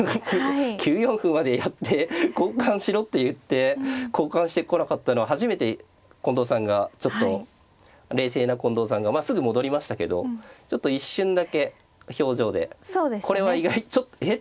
９四歩までやって交換しろって言って交換してこなかったのは初めて近藤さんがちょっと冷静な近藤さんがまあすぐ戻りましたけどちょっと一瞬だけ表情でこれは意外ちょっとえっ？